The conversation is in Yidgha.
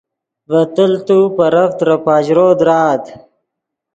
ڤے تیلت و پیرف ترے پاژرو درآت